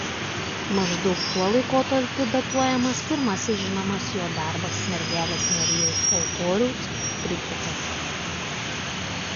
Maždaug tuo laikotarpiu datuojamas pirmasis žinomas jo darbas „Mergelės Marijos altoriaus“ triptikas.